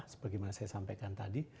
seperti yang saya sampaikan tadi